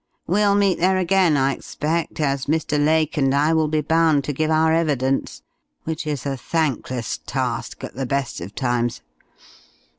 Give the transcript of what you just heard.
We'll meet there again, I expect, as Mr. Lake and I will be bound to give our evidence which is a thankless task at the best of times....